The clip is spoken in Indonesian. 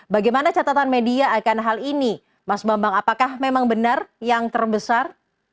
bagaimana catatan media akan hal ini mas bambang apakah memang benar yang terbesar